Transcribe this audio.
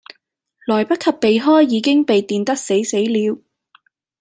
來不及避開已經被電得死死了